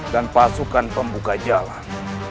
dan pasukan pembuka jalan